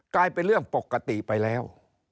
กลายเป็นเรื่องปกติไปแล้ว